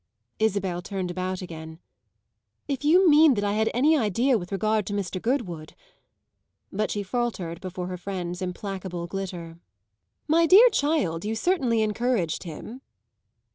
Isabel turned about again. "If you mean that I had any idea with regard to Mr. Goodwood !" But she faltered before her friend's implacable glitter. "My dear child, you certainly encouraged him."